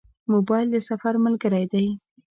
موبایل د سفر ملګری دی.